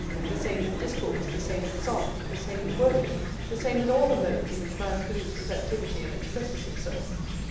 The same with discourse, the same with song, the same with worship, the same with all the modes in which man proves his activity and expresses himself.